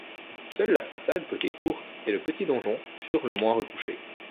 Seuls la façade côté Ourthe et le petit donjon furent le moins retouchés.